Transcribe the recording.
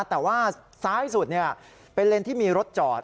แต่ว่าซ้ายสุดเป็นเลนส์ที่มีรถจอด